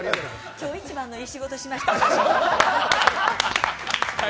今日一番のいい仕事しました。